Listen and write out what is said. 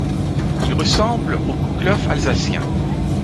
Il ressemble au kouglof alsacien.